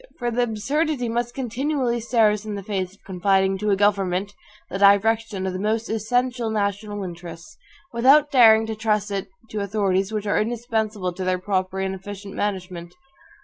For the absurdity must continually stare us in the face of confiding to a government the direction of the most essential national interests, without daring to trust it to the authorities which are indispensable to their proper and efficient management.